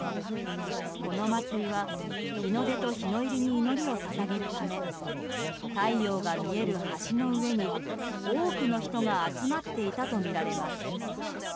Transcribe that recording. この祭りは日の出と日の入りに祈りを捧げるため太陽が見える橋の上に多くの人が集まっていたとみられます。